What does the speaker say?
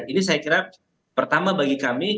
ini saya kira pertama bagi kami